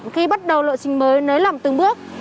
khi bắt đầu lộ trình mới nới lỏng từng bước